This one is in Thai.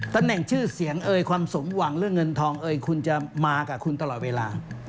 ตำแหน่งชื่อเสียงเอ่ยความสมหวังเรื่องเงินทองเอ่ยคุณจะมากับคุณตลอดเวลา